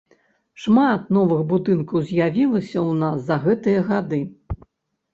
Шмат новых будынкаў з'явілася ў нас за гэтыя гады.